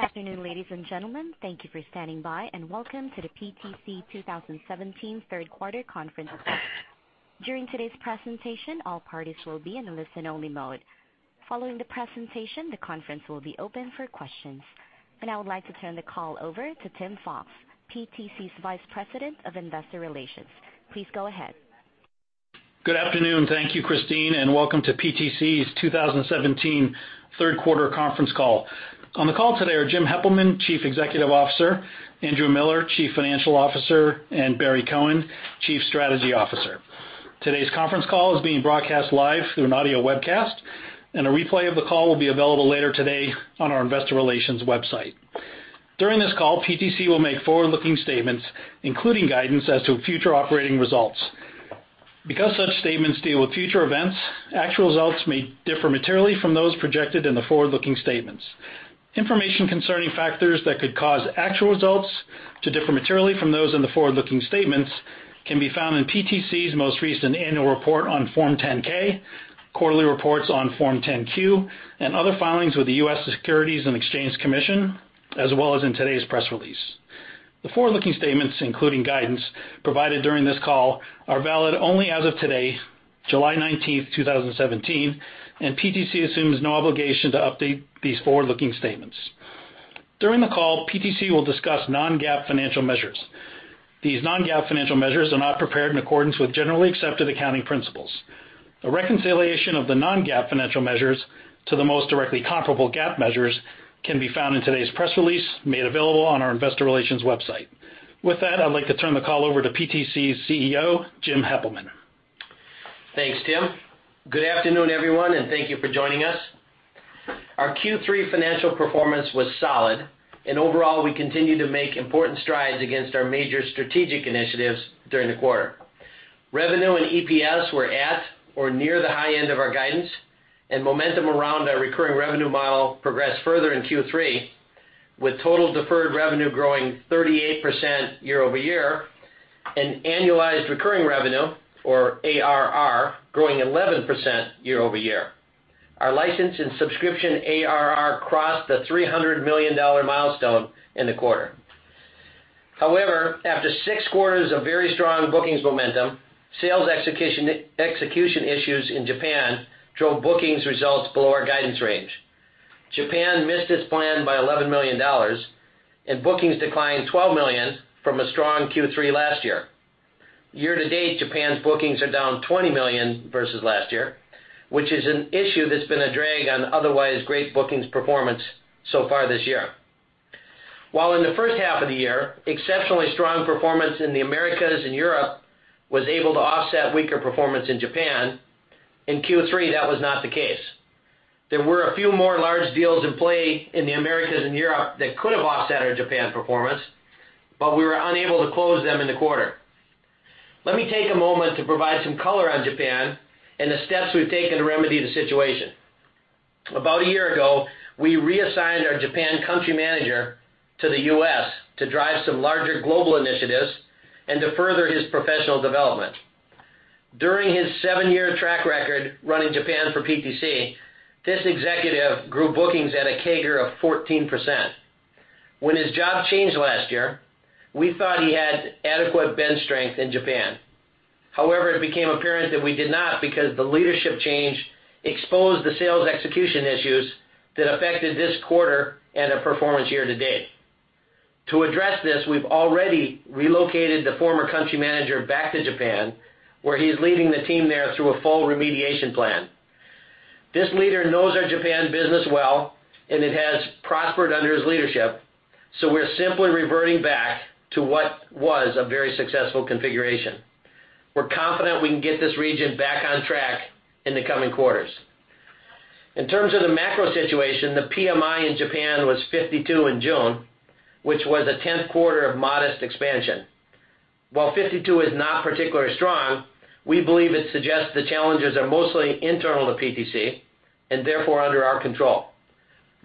Good afternoon, ladies and gentlemen. Thank you for standing by, and welcome to the PTC 2017 third quarter conference call. During today's presentation, all parties will be in listen-only mode. Following the presentation, the conference will be open for questions. I would like to turn the call over to Tim Fox, PTC's Vice President of Investor Relations. Please go ahead. Good afternoon. Thank you, Christine, welcome to PTC's 2017 third quarter conference call. On the call today are Jim Heppelmann, Chief Executive Officer, Andrew Miller, Chief Financial Officer, and Barry Cohen, Chief Strategy Officer. Today's conference call is being broadcast live through an audio webcast, and a replay of the call will be available later today on our investor relations website. During this call, PTC will make forward-looking statements, including guidance as to future operating results. Because such statements deal with future events, actual results may differ materially from those projected in the forward-looking statements. Information concerning factors that could cause actual results to differ materially from those in the forward-looking statements can be found in PTC's most recent annual report on Form 10-K, quarterly reports on Form 10-Q, and other filings with the U.S. Securities and Exchange Commission, as well as in today's press release. The forward-looking statements, including guidance provided during this call, are valid only as of today, July 19th, 2017, PTC assumes no obligation to update these forward-looking statements. During the call, PTC will discuss non-GAAP financial measures. These non-GAAP financial measures are not prepared in accordance with generally accepted accounting principles. A reconciliation of the non-GAAP financial measures to the most directly comparable GAAP measures can be found in today's press release, made available on our investor relations website. With that, I'd like to turn the call over to PTC's CEO, Jim Heppelmann. Thanks, Tim. Good afternoon, everyone, thank you for joining us. Our Q3 financial performance was solid, overall, we continued to make important strides against our major strategic initiatives during the quarter. Revenue and EPS were at or near the high end of our guidance, momentum around our recurring revenue model progressed further in Q3, with total deferred revenue growing 38% year-over-year and annualized recurring revenue, or ARR, growing 11% year-over-year. Our license and subscription ARR crossed the $300 million milestone in the quarter. However, after six quarters of very strong bookings momentum, sales execution issues in Japan drove bookings results below our guidance range. Japan missed its plan by $11 million, bookings declined $12 million from a strong Q3 last year. Year to date, Japan's bookings are down $20 million versus last year, which is an issue that's been a drag on otherwise great bookings performance so far this year. While in the first half of the year, exceptionally strong performance in the Americas and Europe was able to offset weaker performance in Japan, in Q3 that was not the case. There were a few more large deals in play in the Americas and Europe that could have offset our Japan performance, but we were unable to close them in the quarter. Let me take a moment to provide some color on Japan and the steps we've taken to remedy the situation. About a year ago, we reassigned our Japan country manager to the U.S. to drive some larger global initiatives and to further his professional development. During his seven-year track record running Japan for PTC, this executive grew bookings at a CAGR of 14%. When his job changed last year, we thought he had adequate bench strength in Japan. However, it became apparent that we did not, because the leadership change exposed the sales execution issues that affected this quarter and our performance year to date. To address this, we've already relocated the former country manager back to Japan, where he's leading the team there through a full remediation plan. This leader knows our Japan business well, and it has prospered under his leadership, so we're simply reverting back to what was a very successful configuration. We're confident we can get this region back on track in the coming quarters. In terms of the macro situation, the PMI in Japan was 52 in June, which was the 10th quarter of modest expansion. While 52 is not particularly strong, we believe it suggests the challenges are mostly internal to PTC and therefore under our control.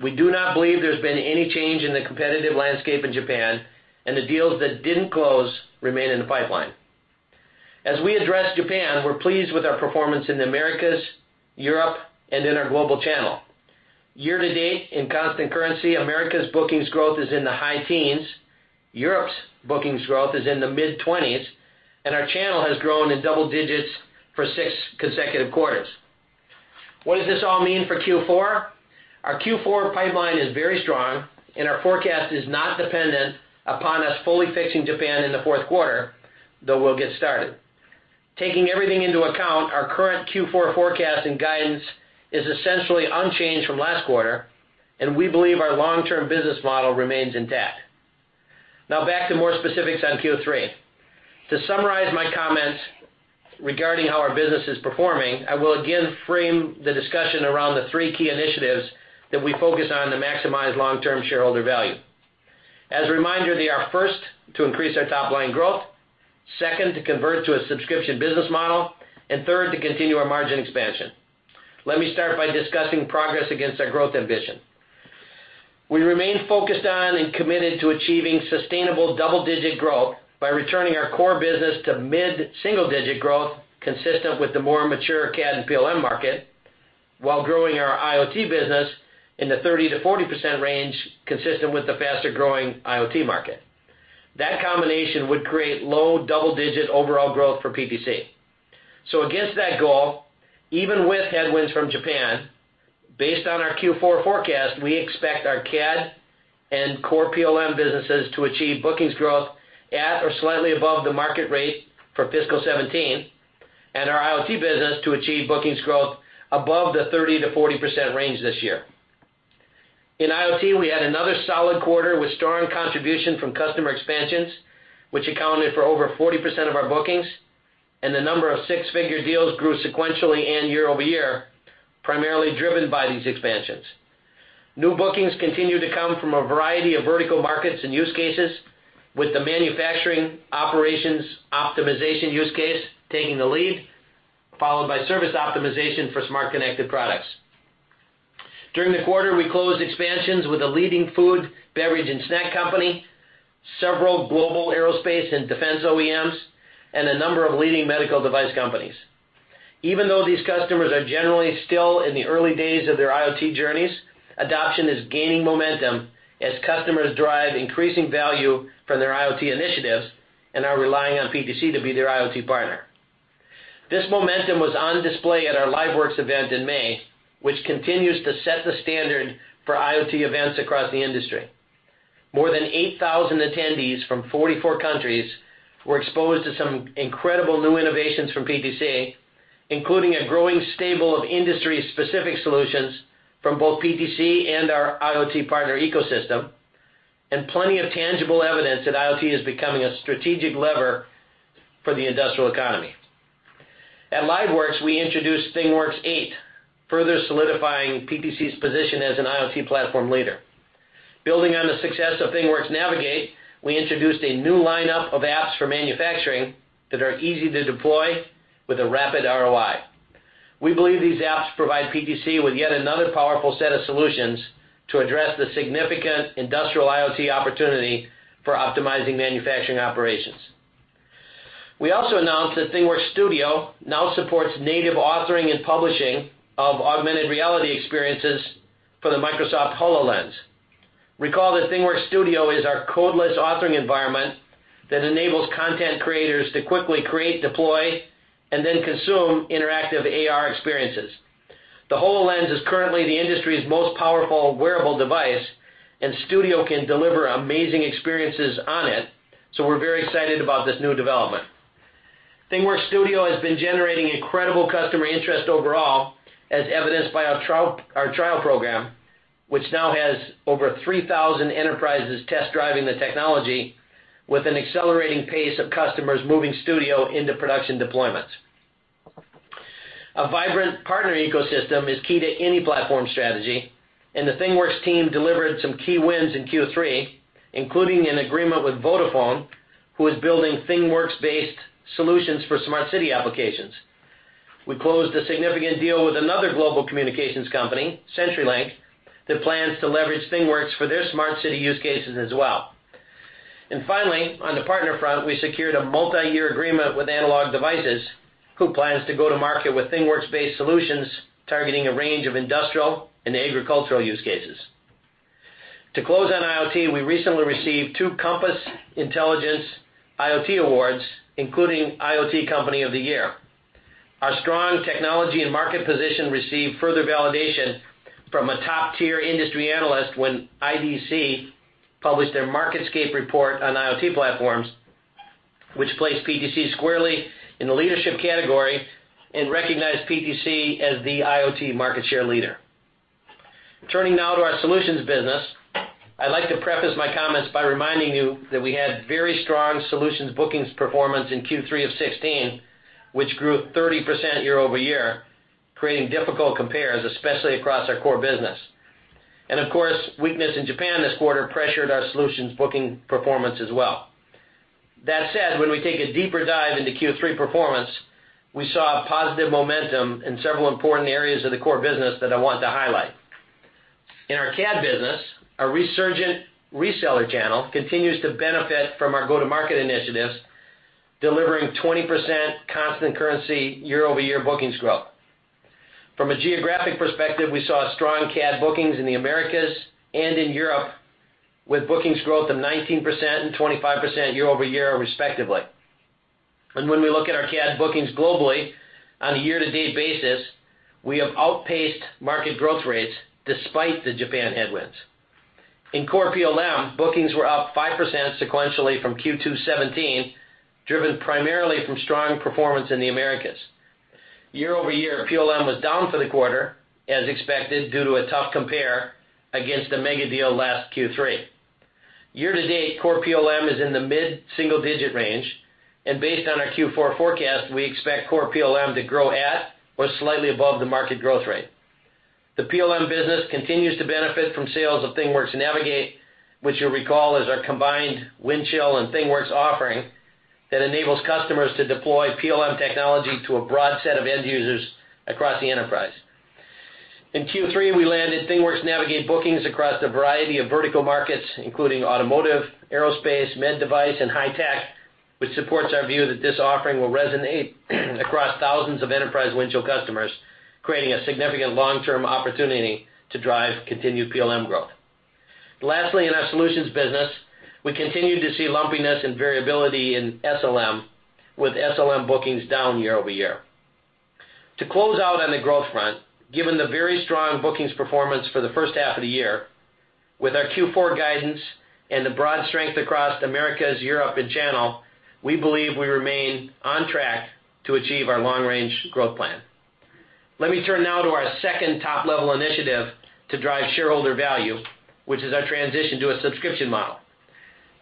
We do not believe there's been any change in the competitive landscape in Japan, and the deals that didn't close remain in the pipeline. As we address Japan, we're pleased with our performance in the Americas, Europe, and in our global channel. Year to date, in constant currency, Americas bookings growth is in the high teens, Europe's bookings growth is in the mid-20s, and our channel has grown in double digits for six consecutive quarters. What does this all mean for Q4? Our Q4 pipeline is very strong, and our forecast is not dependent upon us fully fixing Japan in the fourth quarter, though we'll get started. Taking everything into account, our current Q4 forecast and guidance is essentially unchanged from last quarter, and we believe our long-term business model remains intact. Now back to more specifics on Q3. To summarize my comments regarding how our business is performing, I will again frame the discussion around the three key initiatives that we focus on to maximize long-term shareholder value. As a reminder, they are, first, to increase our top-line growth, second, to convert to a subscription business model, and third, to continue our margin expansion. Let me start by discussing progress against our growth ambition. We remain focused on and committed to achieving sustainable double-digit growth by returning our core business to mid-single-digit growth consistent with the more mature CAD and PLM market while growing our IoT business in the 30% to 40% range, consistent with the faster-growing IoT market. That combination would create low double-digit overall growth for PTC. Against that goal, even with headwinds from Japan, based on our Q4 forecast, we expect our CAD and core PLM businesses to achieve bookings growth at or slightly above the market rate for fiscal 2017, and our IoT business to achieve bookings growth above the 30%-40% range this year. In IoT, we had another solid quarter with strong contribution from customer expansions, which accounted for over 40% of our bookings, and the number of six-figure deals grew sequentially and year-over-year, primarily driven by these expansions. New bookings continue to come from a variety of vertical markets and use cases, with the manufacturing operations optimization use case taking the lead, followed by service optimization for smart connected products. During the quarter, we closed expansions with a leading food, beverage, and snack company, several global aerospace and defense OEMs, and a number of leading medical device companies. Even though these customers are generally still in the early days of their IoT journeys, adoption is gaining momentum as customers derive increasing value from their IoT initiatives and are relying on PTC to be their IoT partner. This momentum was on display at our LiveWorx event in May, which continues to set the standard for IoT events across the industry. More than 8,000 attendees from 44 countries were exposed to some incredible new innovations from PTC, including a growing stable of industry-specific solutions from both PTC and our IoT partner ecosystem, and plenty of tangible evidence that IoT is becoming a strategic lever for the industrial economy. At LiveWorx, we introduced ThingWorx 8, further solidifying PTC's position as an IoT platform leader. Building on the success of ThingWorx Navigate, we introduced a new lineup of apps for manufacturing that are easy to deploy with a rapid ROI. We believe these apps provide PTC with yet another powerful set of solutions to address the significant industrial IoT opportunity for optimizing manufacturing operations. We also announced that ThingWorx Studio now supports native authoring and publishing of augmented reality experiences for the Microsoft HoloLens. Recall that ThingWorx Studio is our codeless authoring environment that enables content creators to quickly create, deploy, and then consume interactive AR experiences. The HoloLens is currently the industry's most powerful wearable device, and Studio can deliver amazing experiences on it. We're very excited about this new development. ThingWorx Studio has been generating incredible customer interest overall, as evidenced by our trial program, which now has over 3,000 enterprises test driving the technology with an accelerating pace of customers moving Studio into production deployments. A vibrant partner ecosystem is key to any platform strategy, and the ThingWorx team delivered some key wins in Q3, including an agreement with Vodafone, who is building ThingWorx-based solutions for smart city applications. We closed a significant deal with another global communications company, CenturyLink, that plans to leverage ThingWorx for their smart city use cases as well. Finally, on the partner front, we secured a multi-year agreement with Analog Devices, who plans to go to market with ThingWorx-based solutions targeting a range of industrial and agricultural use cases. To close on IoT, we recently received two Compass Intelligence IoT awards, including IoT Company of the Year. Our strong technology and market position received further validation from a top-tier industry analyst when IDC published their MarketScape report on IoT platforms, which placed PTC squarely in the leadership category and recognized PTC as the IoT market share leader. Turning now to our solutions business, I'd like to preface my comments by reminding you that we had very strong solutions bookings performance in Q3 of 2016, which grew 30% year-over-year, creating difficult compares, especially across our core business. Of course, weakness in Japan this quarter pressured our solutions booking performance as well. That said, when we take a deeper dive into Q3 performance, we saw positive momentum in several important areas of the core business that I want to highlight. In our CAD business, a resurgent reseller channel continues to benefit from our go-to-market initiatives, delivering 20% constant currency year-over-year bookings growth. From a geographic perspective, we saw strong CAD bookings in the Americas and in Europe, with bookings growth of 19% and 25% year-over-year, respectively. When we look at our CAD bookings globally on a year-to-date basis, we have outpaced market growth rates despite the Japan headwinds. In core PLM, bookings were up 5% sequentially from Q2 2017, driven primarily from strong performance in the Americas. Year-over-year, PLM was down for the quarter, as expected, due to a tough compare against the megadeal last Q3. Year to date, core PLM is in the mid-single digit range, and based on our Q4 forecast, we expect core PLM to grow at or slightly above the market growth rate. The PLM business continues to benefit from sales of ThingWorx Navigate, which you'll recall is our combined Windchill and ThingWorx offering that enables customers to deploy PLM technology to a broad set of end users across the enterprise. In Q3, we landed ThingWorx Navigate bookings across a variety of vertical markets, including automotive, aerospace, med device, and high tech, which supports our view that this offering will resonate across thousands of enterprise Windchill customers, creating a significant long-term opportunity to drive continued PLM growth. Lastly, in our solutions business, we continue to see lumpiness and variability in SLM, with SLM bookings down year-over-year. To close out on the growth front, given the very strong bookings performance for the first half of the year, with our Q4 guidance and the broad strength across the Americas, Europe, and channel, we believe we remain on track to achieve our long-range growth plan. Let me turn now to our second top-level initiative to drive shareholder value, which is our transition to a subscription model.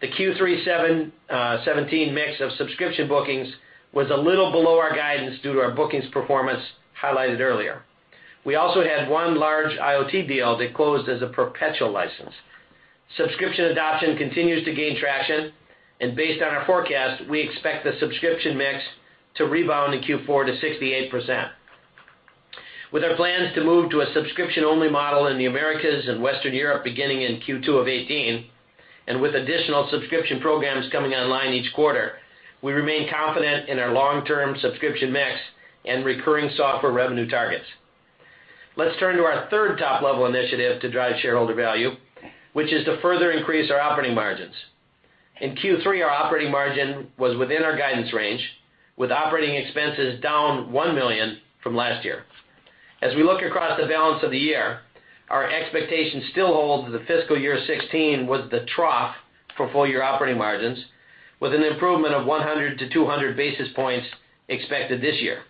The Q3 2017 mix of subscription bookings was a little below our guidance due to our bookings performance highlighted earlier. We also had one large IoT deal that closed as a perpetual license. Subscription adoption continues to gain traction, based on our forecast, we expect the subscription mix to rebound in Q4 to 68%. With our plans to move to a subscription-only model in the Americas and Western Europe beginning in Q2 of 2018, and with additional subscription programs coming online each quarter, we remain confident in our long-term subscription mix and recurring software revenue targets. Let's turn to our third top-level initiative to drive shareholder value, which is to further increase our operating margins. In Q3, our operating margin was within our guidance range, with operating expenses down $1 million from last year. As we look across the balance of the year, our expectation still holds that fiscal year 2016 was the trough for full-year operating margins, with an improvement of 100-200 basis points expected this year.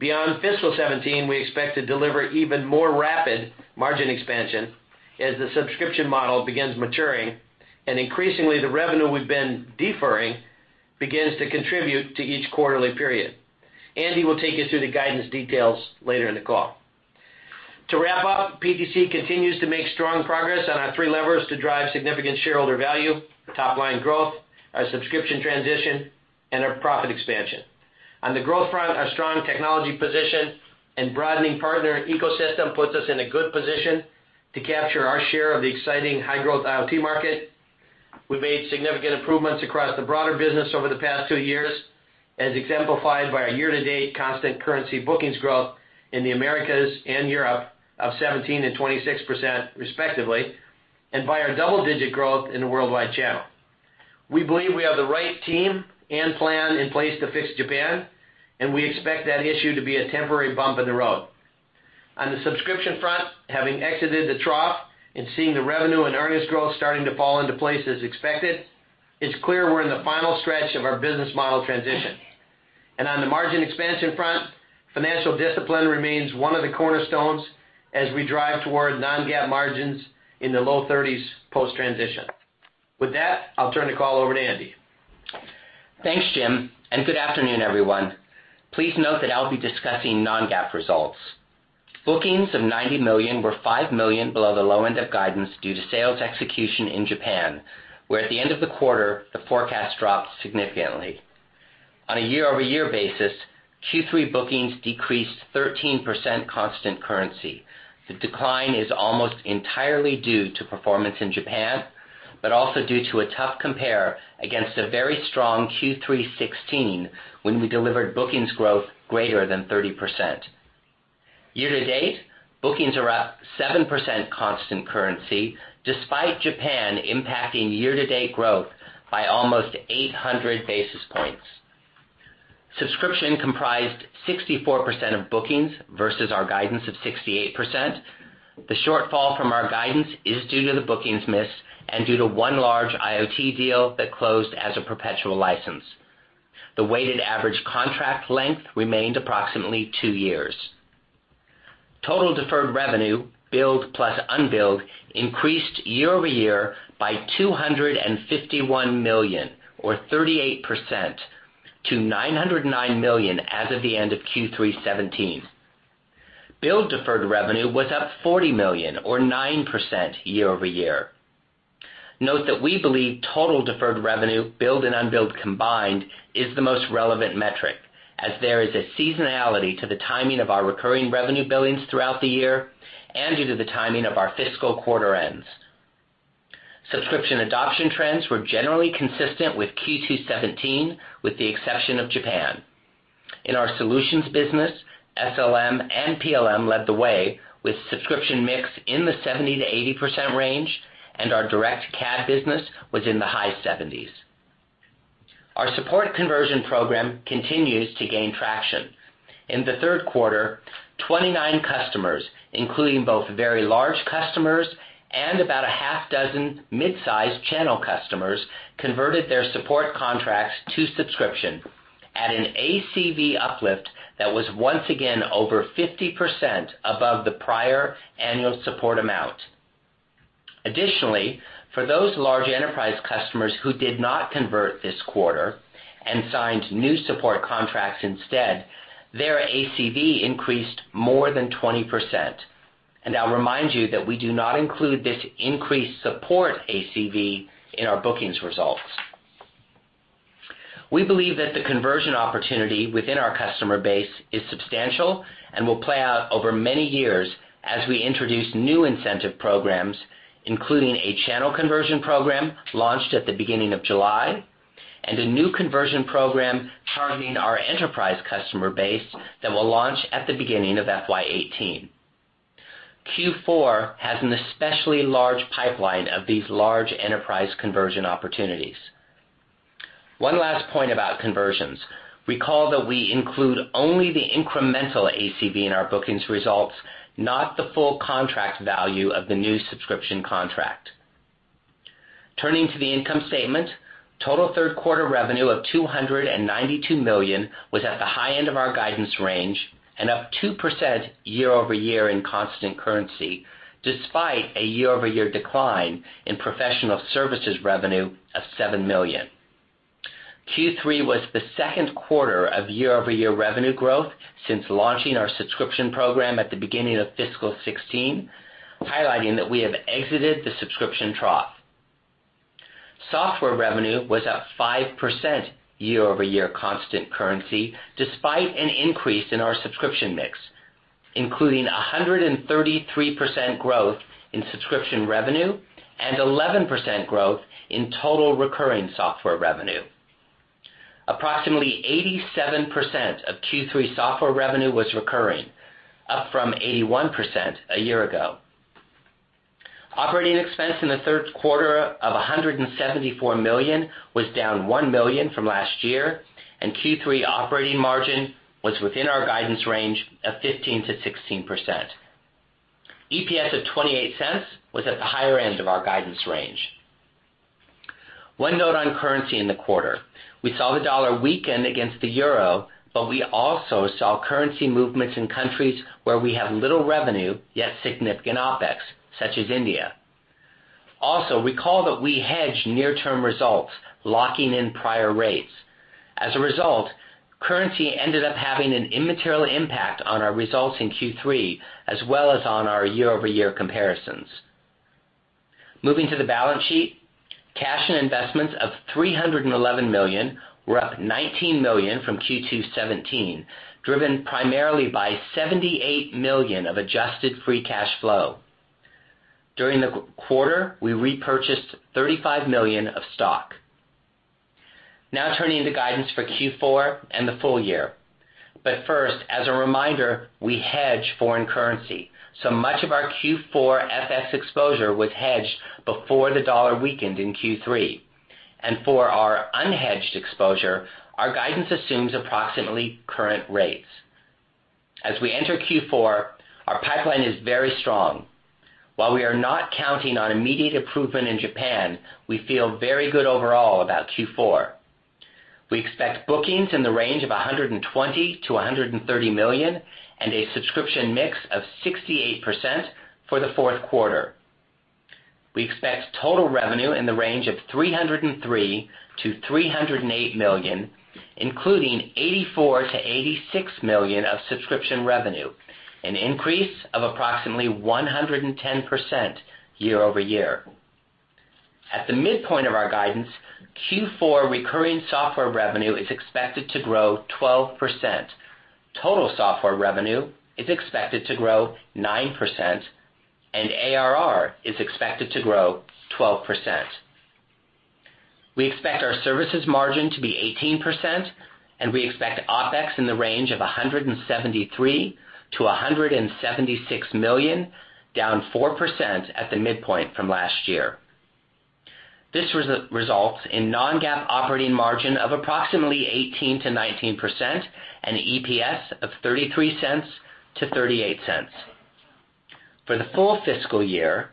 Beyond fiscal 2017, we expect to deliver even more rapid margin expansion as the subscription model begins maturing and increasingly, the revenue we've been deferring begins to contribute to each quarterly period. Andy will take you through the guidance details later in the call. To wrap up, PTC continues to make strong progress on our three levers to drive significant shareholder value, top-line growth, our subscription transition, and our profit expansion. On the growth front, our strong technology position and broadening partner ecosystem puts us in a good position to capture our share of the exciting high-growth IoT market. We've made significant improvements across the broader business over the past two years, as exemplified by our year-to-date constant currency bookings growth in the Americas and Europe of 17% and 26% respectively, and by our double-digit growth in the worldwide channel. We believe we have the right team and plan in place to fix Japan, and we expect that issue to be a temporary bump in the road. On the subscription front, having exited the trough and seeing the revenue and earnings growth starting to fall into place as expected, it's clear we're in the final stretch of our business model transition. On the margin expansion front, financial discipline remains one of the cornerstones as we drive toward non-GAAP margins in the low 30s post-transition. With that, I'll turn the call over to Andy. Thanks, Jim, and good afternoon, everyone. Please note that I'll be discussing non-GAAP results. Bookings of $90 million were $5 million below the low end of guidance due to sales execution in Japan, where at the end of the quarter, the forecast dropped significantly. On a year-over-year basis, Q3 bookings decreased 13% constant currency. The decline is almost entirely due to performance in Japan, but also due to a tough compare against a very strong Q3 2016, when we delivered bookings growth greater than 30%. Year-to-date, bookings are up 7% constant currency, despite Japan impacting year-to-date growth by almost 800 basis points. Subscription comprised 64% of bookings versus our guidance of 68%. The shortfall from our guidance is due to the bookings miss and due to one large IoT deal that closed as a perpetual license. The weighted average contract length remained approximately two years. Total deferred revenue, billed plus unbilled, increased year-over-year by $251 million or 38% to $909 million as of the end of Q3 2017. Billed deferred revenue was up $40 million or 9% year-over-year. Note that we believe total deferred revenue, billed and unbilled combined, is the most relevant metric, as there is a seasonality to the timing of our recurring revenue billings throughout the year and due to the timing of our fiscal quarter ends. Subscription adoption trends were generally consistent with Q2 2017, with the exception of Japan. In our solutions business, SLM and PLM led the way with subscription mix in the 70%-80% range, and our direct CAD business was in the high 70s. Our support conversion program continues to gain traction. In the third quarter, 29 customers, including both very large customers and about a half dozen mid-sized channel customers, converted their support contracts to subscription at an ACV uplift that was once again over 50% above the prior annual support amount. Additionally, for those large enterprise customers who did not convert this quarter and signed new support contracts instead, their ACV increased more than 20%. I'll remind you that we do not include this increased support ACV in our bookings results. We believe that the conversion opportunity within our customer base is substantial and will play out over many years as we introduce new incentive programs, including a channel conversion program launched at the beginning of July, and a new conversion program targeting our enterprise customer base that will launch at the beginning of FY 2018. Q4 has an especially large pipeline of these large enterprise conversion opportunities. One last point about conversions. Recall that we include only the incremental ACV in our bookings results, not the full contract value of the new subscription contract. Turning to the income statement, total third quarter revenue of $292 million was at the high end of our guidance range and up 2% year-over-year in constant currency, despite a year-over-year decline in professional services revenue of $7 million. Q3 was the second quarter of year-over-year revenue growth since launching our subscription program at the beginning of fiscal 2016, highlighting that we have exited the subscription trough. Software revenue was up 5% year-over-year constant currency, despite an increase in our subscription mix, including 133% growth in subscription revenue and 11% growth in total recurring software revenue. Approximately 87% of Q3 software revenue was recurring, up from 81% a year ago. Operating expense in the third quarter of $174 million was down $1 million from last year, and Q3 operating margin was within our guidance range of 15%-16%. EPS of $0.28 was at the higher end of our guidance range. One note on currency in the quarter. We saw the dollar weaken against the euro, but we also saw currency movements in countries where we have little revenue, yet significant OpEx, such as India. Also, recall that we hedge near term results, locking in prior rates. As a result, currency ended up having an immaterial impact on our results in Q3, as well as on our year-over-year comparisons. Moving to the balance sheet, cash and investments of $311 million were up $19 million from Q2 2017, driven primarily by $78 million of adjusted free cash flow. During the quarter, we repurchased $35 million of stock. Turning to guidance for Q4 and the full year. First, as a reminder, we hedge foreign currency. Much of our Q4 FX exposure was hedged before the dollar weakened in Q3. For our unhedged exposure, our guidance assumes approximately current rates. As we enter Q4, our pipeline is very strong. While we are not counting on immediate improvement in Japan, we feel very good overall about Q4. We expect bookings in the range of $120 million-$130 million and a subscription mix of 68% for the fourth quarter. We expect total revenue in the range of $303 million-$308 million, including $84 million-$86 million of subscription revenue, an increase of approximately 110% year-over-year. At the midpoint of our guidance, Q4 recurring software revenue is expected to grow 12%. Total software revenue is expected to grow 9%, and ARR is expected to grow 12%. We expect our services margin to be 18%. We expect OpEx in the range of $173 million-$176 million, down 4% at the midpoint from last year. This results in non-GAAP operating margin of approximately 18%-19%, and EPS of $0.33-$0.38. For the full fiscal year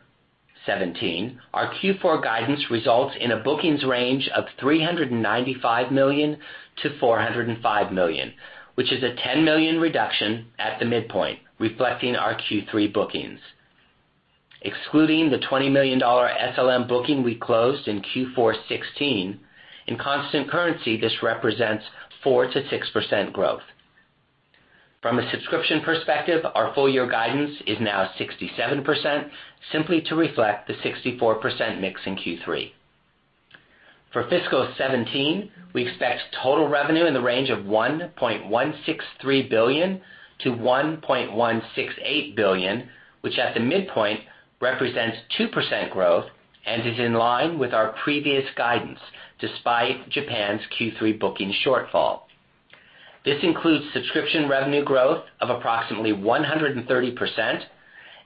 2017, our Q4 guidance results in a bookings range of $395 million-$405 million, which is a $10 million reduction at the midpoint, reflecting our Q3 bookings. Excluding the $20 million SLM booking we closed in Q4 2016, in constant currency, this represents 4%-6% growth. From a subscription perspective, our full year guidance is now 67%, simply to reflect the 64% mix in Q3. For fiscal 2017, we expect total revenue in the range of $1.163 billion-$1.168 billion, which at the midpoint represents 2% growth and is in line with our previous guidance despite Japan's Q3 booking shortfall. This includes subscription revenue growth of approximately 130%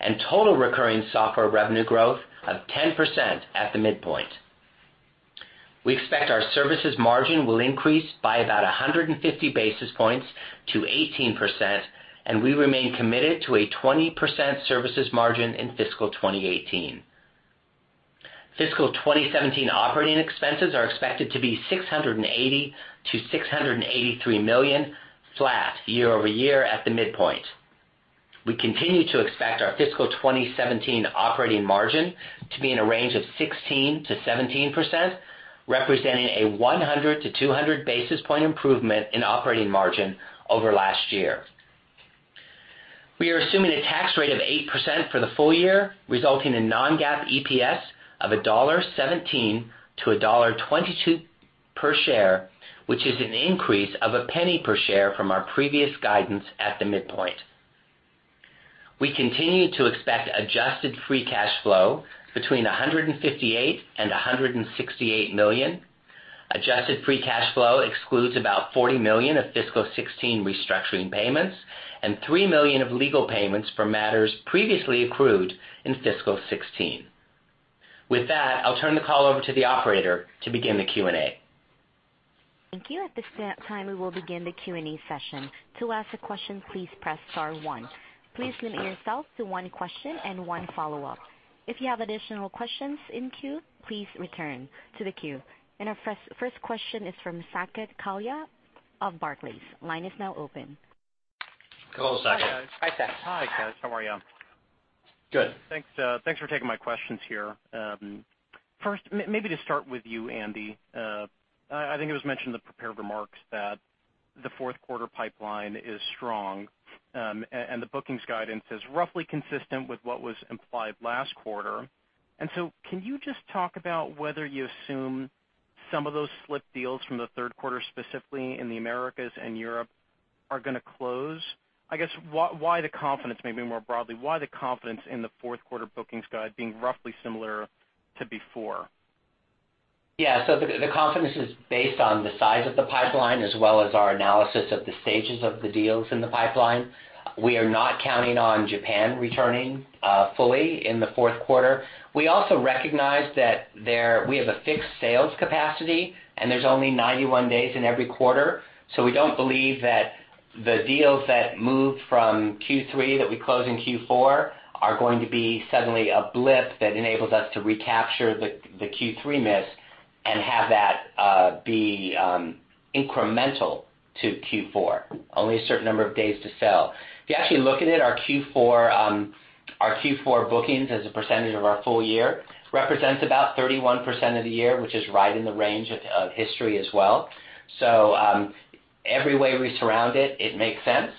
and total recurring software revenue growth of 10% at the midpoint. We expect our services margin will increase by about 150 basis points to 18%. We remain committed to a 20% services margin in fiscal 2018. Fiscal 2017 operating expenses are expected to be $680 million-$683 million, flat year-over-year at the midpoint. We continue to expect our fiscal 2017 operating margin to be in a range of 16%-17%, representing a 100-200 basis point improvement in operating margin over last year. We are assuming a tax rate of 8% for the full year, resulting in non-GAAP EPS of $1.17-$1.22 per share, which is an increase of $0.01 per share from our previous guidance at the midpoint. We continue to expect adjusted free cash flow between $158 million and $168 million. Adjusted free cash flow excludes about $40 million of fiscal 2016 restructuring payments and $3 million of legal payments for matters previously accrued in fiscal 2016. With that, I'll turn the call over to the operator to begin the Q&A. Thank you. At this time, we will begin the Q&A session. To ask a question, please press star one. Please limit yourself to one question and one follow-up. If you have additional questions in queue, please return to the queue. Our first question is from Saket Kalia of Barclays. Line is now open. Go, Saket. Hi, guys. Hi, Saket. Hi, guys. How are you? Good. Thanks for taking my questions here. First, maybe to start with you, Andy. I think it was mentioned in the prepared remarks that the fourth quarter pipeline is strong, and the bookings guidance is roughly consistent with what was implied last quarter. Can you just talk about whether you assume some of those slipped deals from the third quarter, specifically in the Americas and Europe, are going to close? I guess, why the confidence, maybe more broadly, why the confidence in the fourth quarter bookings guide being roughly similar to before? The confidence is based on the size of the pipeline, as well as our analysis of the stages of the deals in the pipeline. We are not counting on Japan returning fully in the fourth quarter. We also recognize that we have a fixed sales capacity, and there's only 91 days in every quarter. We don't believe that the deals that moved from Q3 that we close in Q4 are going to be suddenly a blip that enables us to recapture the Q3 miss and have that be incremental to Q4. Only a certain number of days to sell. If you actually look at it, our Q4 bookings as a percentage of our full year represents about 31% of the year, which is right in the range of history as well. Every way we surround it makes sense.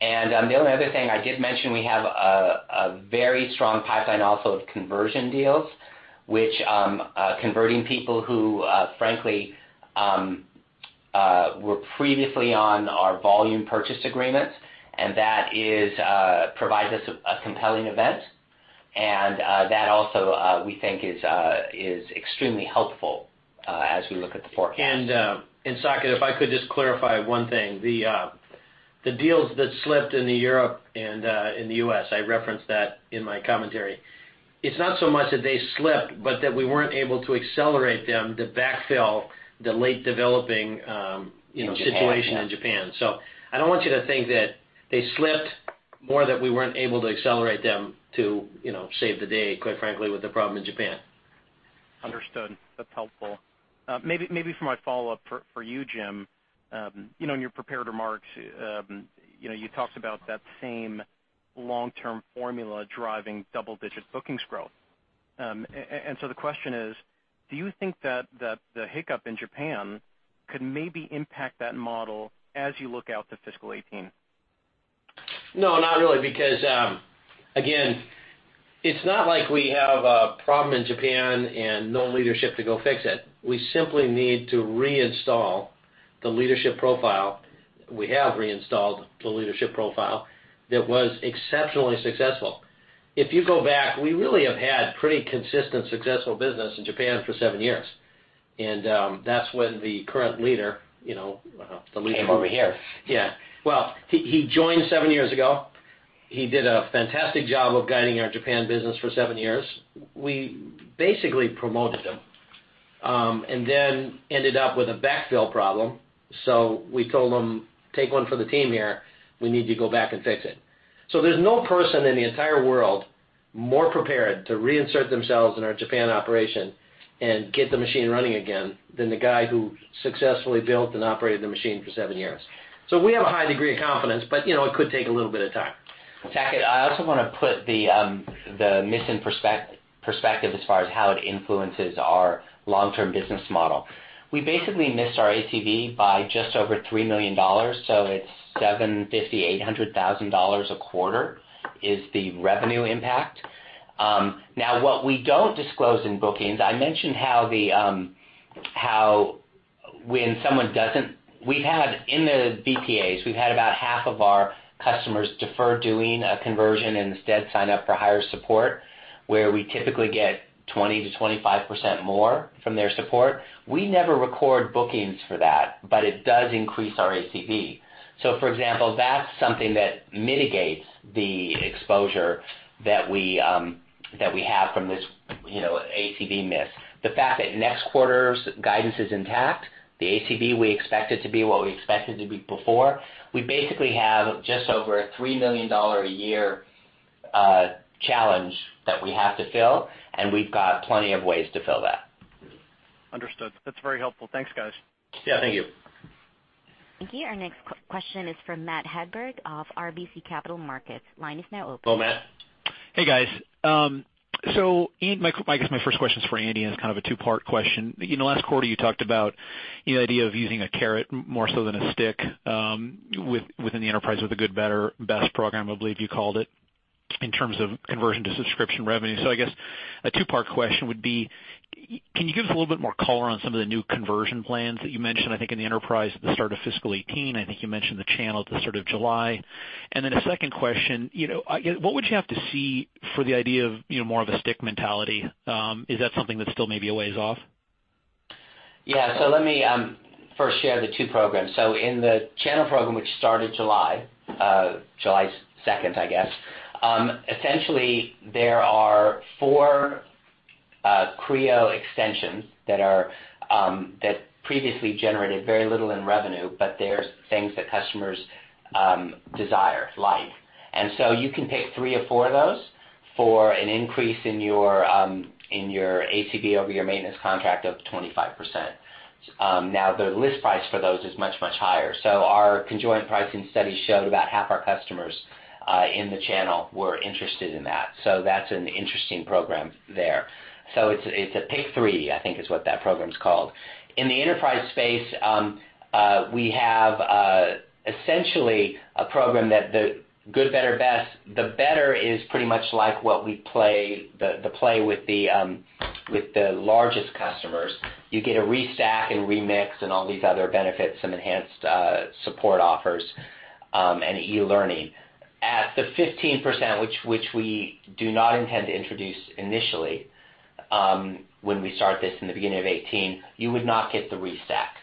The only other thing I did mention, we have a very strong pipeline also of conversion deals, which are converting people who frankly were previously on our volume purchase agreements, and that provides us a compelling event. That also, we think is extremely helpful as we look at the forecast. Saket, if I could just clarify one thing. The deals that slipped in Europe and in the U.S., I referenced that in my commentary. It's not so much that they slipped, but that we weren't able to accelerate them to backfill the late developing- In Japan, yeah situation in Japan. I don't want you to think that they slipped more that we weren't able to accelerate them to save the day, quite frankly, with the problem in Japan. Understood. That's helpful. Maybe for my follow-up, for you, Jim, in your prepared remarks, you talked about that same long-term formula driving double-digit bookings growth. The question is: Do you think that the hiccup in Japan could maybe impact that model as you look out to fiscal 2018? No, not really, because, again, it's not like we have a problem in Japan and no leadership to go fix it. We simply need to reinstall the leadership profile. We have reinstalled the leadership profile that was exceptionally successful. If you go back, we really have had pretty consistent, successful business in Japan for seven years. That's when the current leader- Came over here. Well, he joined seven years ago. He did a fantastic job of guiding our Japan business for seven years. We basically promoted him, then ended up with a backfill problem. We told him, "Take one for the team here. We need you to go back and fix it." There's no person in the entire world more prepared to reinsert themselves in our Japan operation and get the machine running again than the guy who successfully built and operated the machine for seven years. We have a high degree of confidence, but it could take a little bit of time. Saket, I also want to put the miss in perspective as far as how it influences our long-term business model. We basically missed our ACV by just over $3 million, so it's $758,000 a quarter is the revenue impact. What we don't disclose in bookings, I mentioned how when someone doesn't-- We've had in the BPAs, we've had about half of our customers defer doing a conversion instead sign up for higher support, where we typically get 20%-25% more from their support. We never record bookings for that, but it does increase our ACV. For example, that's something that mitigates the exposure that we have from this ACV miss. The fact that next quarter's guidance is intact, the ACV, we expect it to be what we expected to be before. We basically have just over a $3 million a year challenge that we have to fill, we've got plenty of ways to fill that. Understood. That's very helpful. Thanks, guys. Yeah, thank you. Thank you. Our next question is from Matthew Hedberg of RBC Capital Markets. Line is now open. Hello, Matt. Hey, guys. I guess my first question is for Andy, and it's kind of a two-part question. In the last quarter, you talked about the idea of using a carrot more so than a stick, within the enterprise with a good, better, best program, I believe you called it, in terms of conversion to subscription revenue. I guess a two-part question would be, can you give us a little bit more color on some of the new conversion plans that you mentioned, I think, in the enterprise at the start of fiscal 2018? I think you mentioned the channel at the start of July. A second question, what would you have to see for the idea of more of a stick mentality? Is that something that's still maybe a ways off? Yeah. Let me first share the two programs. In the channel program, which started July 2nd, I guess. Essentially there are four Creo extensions that previously generated very little in revenue, but they're things that customers desire, like. You can pick three or four of those for an increase in your ACV over your maintenance contract of 25%. Now, the list price for those is much, much higher. Our conjoint pricing study showed about half our customers in the channel were interested in that. That's an interesting program there. It's a pick three, I think is what that program's called. In the enterprise space, we have, essentially, a program that the good, better, best, the better is pretty much like what we play with the largest customers. You get a restack and remix and all these other benefits, some enhanced support offers, and e-learning. At the 15%, which we do not intend to introduce initially, when we start this in the beginning of 2018, you would not get the restack,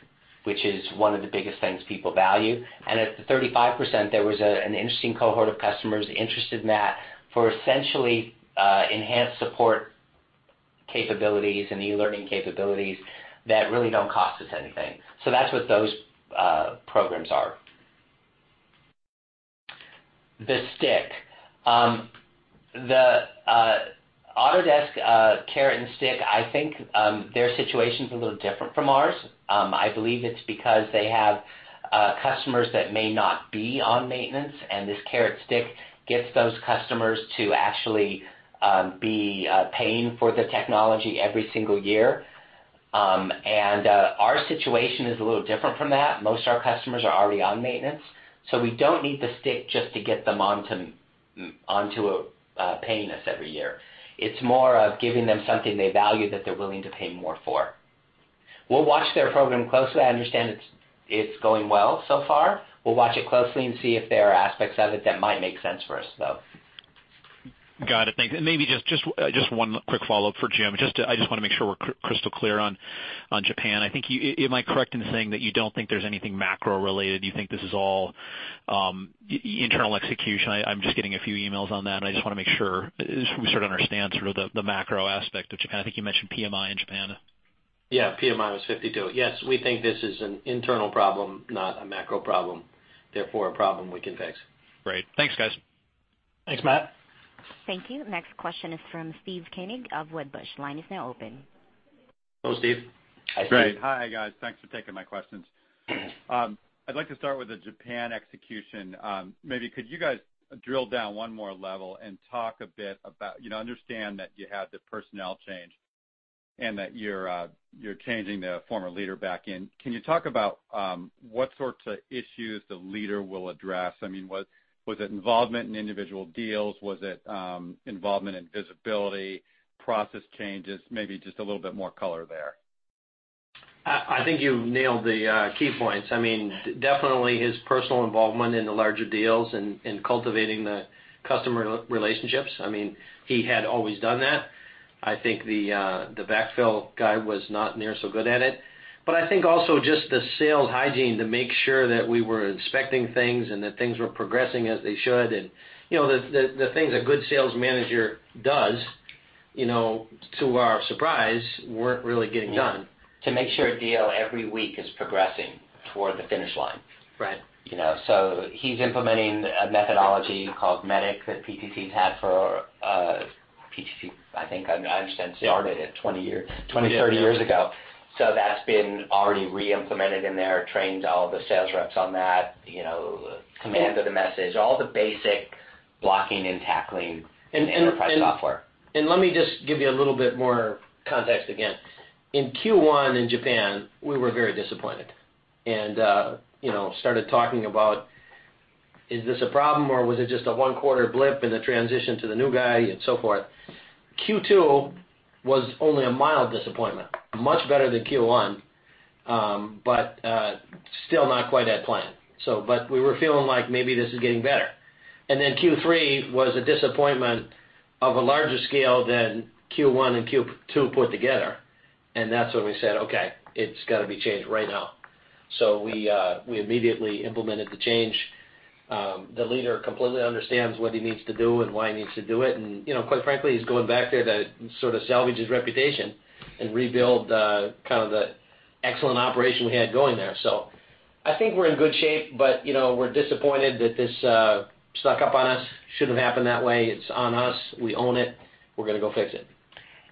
which is one of the biggest things people value. At the 35%, there was an interesting cohort of customers interested in that for essentially, enhanced support capabilities and e-learning capabilities that really don't cost us anything. That's what those programs are. The stick. The Autodesk carrot and stick, I think, their situation's a little different from ours. I believe it's because they have customers that may not be on maintenance, and this carrot stick gets those customers to actually be paying for the technology every single year. Our situation is a little different from that. Most of our customers are already on maintenance, we don't need the stick just to get them onto paying us every year. It's more of giving them something they value that they're willing to pay more for. We'll watch their program closely. I understand it's going well so far. We'll watch it closely and see if there are aspects of it that might make sense for us, though. Got it. Thanks. Maybe just one quick follow-up for Jim. I just want to make sure we're crystal clear on Japan. Am I correct in saying that you don't think there's anything macro-related? Do you think this is all internal execution? I'm just getting a few emails on that, and I just want to make sure we sort of understand sort of the macro aspect of Japan. I think you mentioned PMI in Japan. Yeah, PMI was 52. Yes, we think this is an internal problem, not a macro problem, therefore a problem we can fix. Great. Thanks, guys. Thanks, Matt. Thank you. Next question is from Steve Koenig of Wedbush. Line is now open. Hello, Steve. Hi, Steve. Great. Hi guys, thanks for taking my questions. I'd like to start with the Japan execution. Maybe could you guys drill down one more level and talk a bit. Understand that you had the personnel change and that you're changing the former leader back in. Can you talk about what sorts of issues the leader will address? I mean, was it involvement in individual deals? Was it involvement in visibility, process changes? Maybe just a little bit more color there. I think you've nailed the key points. I mean, definitely his personal involvement in the larger deals and cultivating the customer relationships. I mean, he had always done that. I think the backfill guy was not near so good at it. I think also just the sales hygiene to make sure that we were inspecting things and that things were progressing as they should. The things a good sales manager does, to our surprise, weren't really getting done. To make sure a deal every week is progressing toward the finish line. Right. He's implementing a methodology called MEDDIC that PTC, I think, I understand, started it 20, 30 years ago. That's been already re-implemented in there, trained all the sales reps on that, Command of the Message, all the basic blocking and tackling enterprise software. Let me just give you a little bit more context again. In Q1 in Japan, we were very disappointed, and started talking about, is this a problem or was it just a one-quarter blip in the transition to the new guy and so forth? Q2 was only a mild disappointment, much better than Q1, but still not quite at plan. We were feeling like maybe this is getting better. Q3 was a disappointment of a larger scale than Q1 and Q2 put together. That's when we said, "Okay, it's got to be changed right now." We immediately implemented the change. The leader completely understands what he needs to do and why he needs to do it. Quite frankly, he's going back there to sort of salvage his reputation and rebuild the excellent operation we had going there. I think we're in good shape, but we're disappointed that this snuck up on us. Shouldn't have happened that way. It's on us. We own it. We're going to go fix it.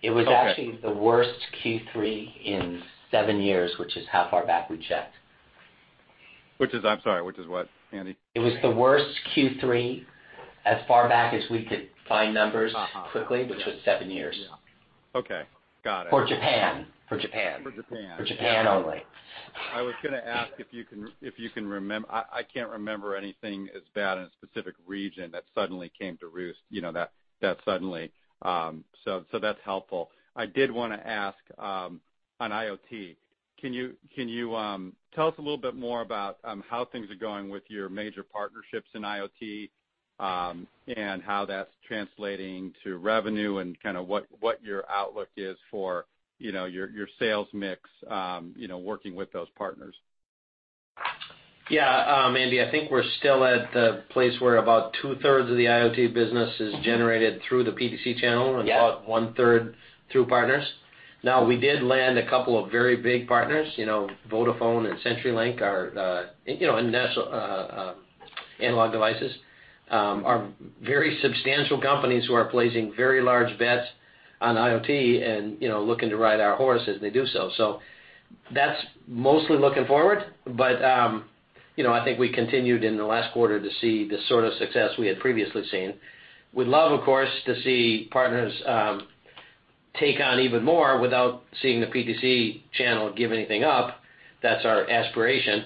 It was actually the worst Q3 in seven years, which is how far back we checked. I'm sorry, which is what, Andrew? It was the worst Q3 as far back as we could find numbers quickly, which was seven years. Yeah. Okay. Got it. For Japan. For Japan. For Japan only. I was going to ask, I can't remember anything as bad in a specific region that suddenly came to roost. That's helpful. I did want to ask, on IoT, can you tell us a little bit more about how things are going with your major partnerships in IoT, and how that's translating to revenue and what your outlook is for your sales mix working with those partners? Yeah. Andy, I think we're still at the place where about two-thirds of the IoT business is generated through the PTC channel. Yeah About one-third through partners. Now, we did land a couple of very big partners. Vodafone and CenturyLink and Analog Devices are very substantial companies who are placing very large bets on IoT and looking to ride our horse as they do so. That's mostly looking forward, but I think we continued in the last quarter to see the sort of success we had previously seen. We'd love, of course, to see partners take on even more without seeing the PTC channel give anything up. That's our aspiration.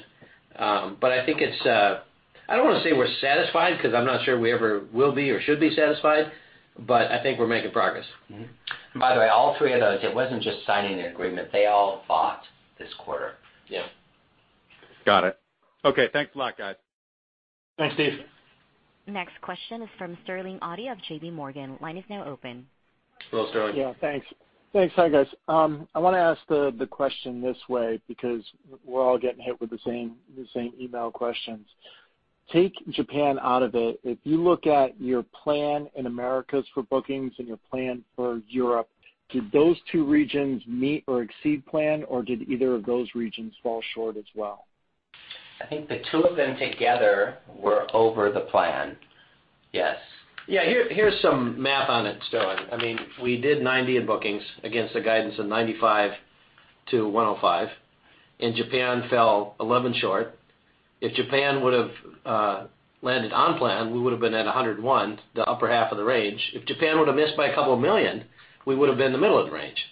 I don't want to say we're satisfied because I'm not sure we ever will be or should be satisfied, but I think we're making progress. By the way, all three of those, it wasn't just signing an agreement. They all bought this quarter. Yeah. Got it. Okay, thanks a lot, guys. Thanks, Steve. Next question is from Sterling Auty of J.P. Morgan. Line is now open. Hello, Sterling. Yeah, thanks. Hi, guys. I want to ask the question this way because we're all getting hit with the same email questions. Take Japan out of it. If you look at your plan in Americas for bookings and your plan for Europe, did those two regions meet or exceed plan, or did either of those regions fall short as well? I think the two of them together were over the plan. Yes. Here's some math on it, Sterling. We did 90 in bookings against a guidance of 95 to 105. Japan fell 11 short. If Japan would've landed on plan, we would've been at 101, the upper half of the range. If Japan would've missed by a couple of million, we would've been the middle of the range.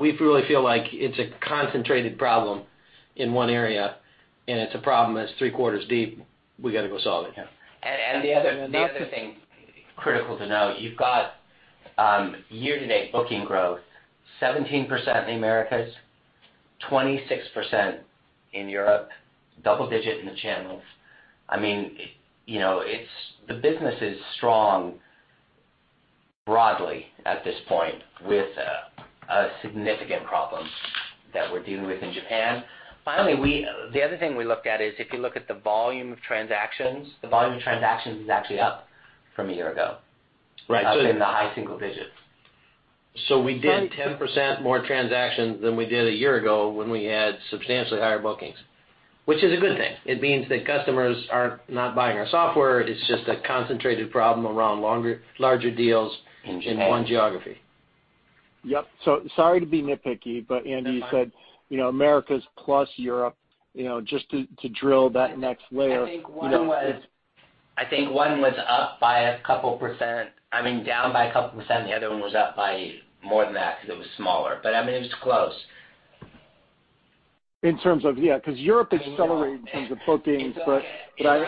We really feel like it's a concentrated problem in one area, and it's a problem that's three-quarters deep, we've got to go solve it. The other thing critical to know, you've got year-to-date booking growth 17% in Americas, 26% in Europe, double digit in the channels. The business is strong broadly at this point with a significant problem that we're dealing with in Japan. The other thing we looked at is if you look at the volume of transactions, the volume of transactions is actually up from a year ago. Right. Up in the high single digits. We did 10% more transactions than we did a year ago when we had substantially higher bookings, which is a good thing. It means that customers are not buying our software. It's just a concentrated problem around larger deals. In Japan. In one geography. Yep. Sorry to be nitpicky, but Andrew. That's fine You said Americas plus Europe, just to drill that next layer. I think one was up by a couple %, I mean, down by a couple %, the other one was up by more than that because it was smaller. It was close. In terms of, yeah, because Europe accelerated in terms of bookings. It's like